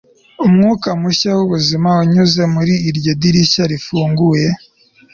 umwuka mushya w'ubuzima unyuze muri iryo dirishya rifunguye